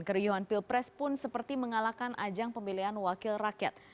keriuhan pilpres pun seperti mengalahkan ajang pemilihan wakil rakyat